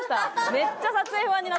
めっちゃ撮影不安になった。